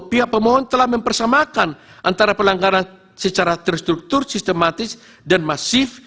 pihak pemohon telah mempersamakan antara pelanggaran secara terstruktur sistematis dan masif